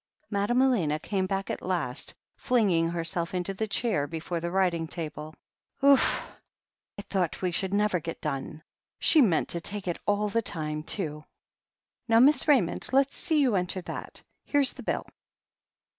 ..." Madame Elena came back at last, flinging herself into the chair before the writing table. "Oof 1 I thought we should never get done. She meant to take it, all the time, too. Now, Miss Ray mond, let's see you enter that. Here's the bill."